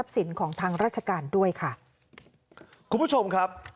เผื่อ